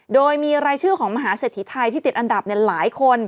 โดยมีรายชื่อของมหาเศรษฐีไทยที่ติดอันดับหลายคน